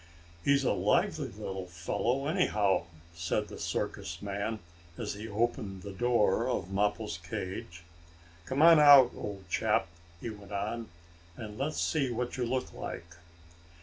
"He's a lively little fellow, anyhow," said the circus man, as he opened the door of Mappo's cage. "Come on out, old chap," he went on, "and let's see what you look like."